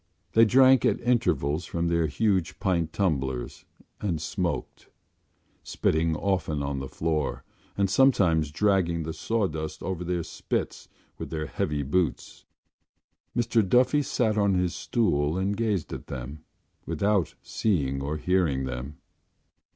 They drank at intervals from their huge pint tumblers and smoked, spitting often on the floor and sometimes dragging the sawdust over their spits with their heavy boots. Mr Duffy sat on his stool and gazed at them, without seeing or hearing them.